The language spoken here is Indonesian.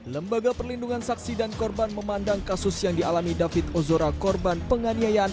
lembaga perlindungan saksi dan korban memandang kasus yang dialami david ozora korban penganiayaan